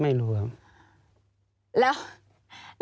ไม่รู้ครับ